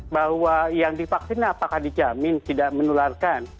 bahwa yang divaksin apakah dijamin tidak menularkan